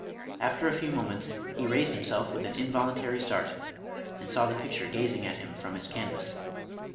After a few moments, he raised himself with an involuntary start, and saw the picture gazing at him from its canvas.